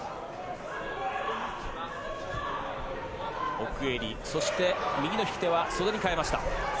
奥襟、そして右の引き手は袖に変えました。